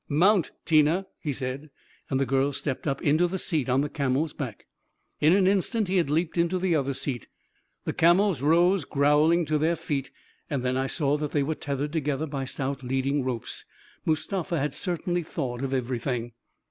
44 Mount, Tina!" he said; and the girl stepped up into the seat on the camel's back. In an instant he had leaped into the other seat — the camels rose growling to their feet — and then I saw that they were tethered together by stout leading ropes. Mustafa had certainly thought of everything